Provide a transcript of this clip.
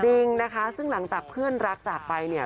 จริงนะคะซึ่งหลังจากเพื่อนรักจากไปเนี่ย